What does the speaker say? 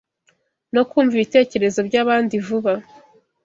no kumva ibitekerezo by’abandi vuba